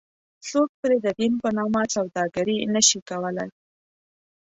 څوک پرې ددین په نامه سوداګري نه شي کولی.